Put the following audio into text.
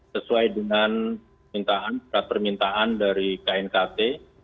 sesuai dengan permintaan dari knkt